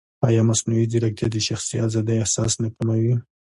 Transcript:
ایا مصنوعي ځیرکتیا د شخصي ازادۍ احساس نه کموي؟